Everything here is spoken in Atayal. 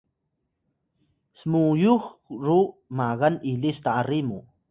smuyux ru magan ilis tari mu